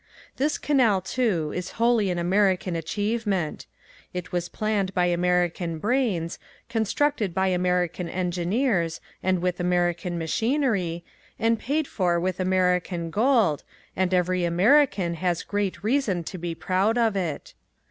This canal, too, is wholly an American achievement. It was planned by American brains, constructed by American engineers and with American machinery, and paid for with American gold, and every American has great reason to be proud of it.